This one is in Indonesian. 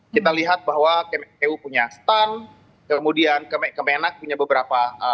kita lihat bahwa pu punya stand kemudian kemenak punya beberapa